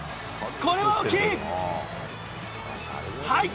これは大きい。